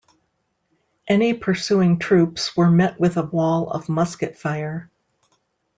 Any pursuing troops were met with a wall of musket fire.